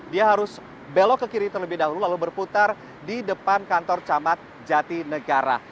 dia harus belok ke kiri terlebih dahulu lalu berputar di depan kantor camat jati negara